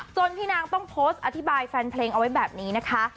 พี่นางต้องโพสต์อธิบายแฟนเพลงเอาไว้แบบนี้นะคะ